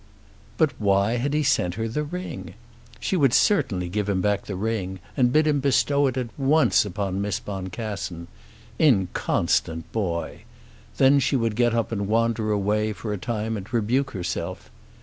But why had he sent her the ring? She would certainly give him back the ring and bid him bestow it at once upon Miss Boncassen. Inconstant boy! Then she would get up and wander away for a time and rebuke herself.